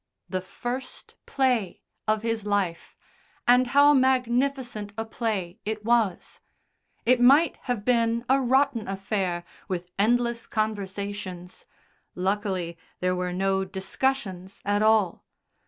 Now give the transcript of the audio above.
The first play of his life, and how magnificent a play it was! It might have been a rotten affair with endless conversations luckily there were no discussions at all.